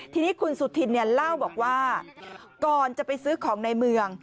ทีนี้คุณสุธินเล่าบอกว่าก่อนจะไปซื้อของในเมือง